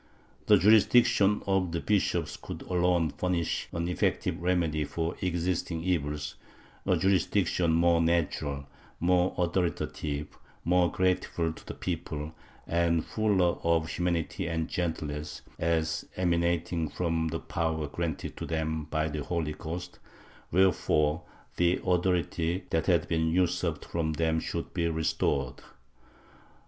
The jurisdiction of the bishops could alone furnish an effective remedy for existing evils — a jurisdiction more natural, more authoritative, more grateful to the people, and fuller of humanity and gentleness, as emanating from the power granted to them by the Holy Ghost, wherefore the authority that had been usurped from them should be restored.